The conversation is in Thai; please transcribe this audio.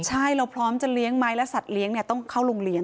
ใช่เราพร้อมจะเลี้ยงไหมแล้วสัตว์เลี้ยงเนี่ยต้องเข้าโรงเลี้ย